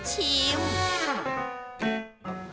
ชิมซิชิม